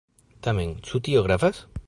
Tamen, ĉu tio gravas?